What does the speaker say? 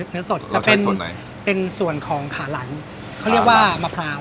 เนื้อสดจะเป็นเป็นส่วนของขาหลังเขาเรียกว่ามะพร้าว